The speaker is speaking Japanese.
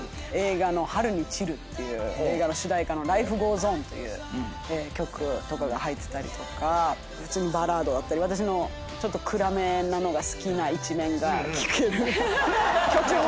『春に散る』っていう映画の主題歌の『ＬｉｆｅＧｏｅｓＯｎ』という曲とかが入ってたりとか普通にバラードだったり私のちょっと暗めなのが好きな一面が聞ける曲も。